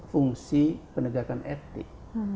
fungsi penegakan etik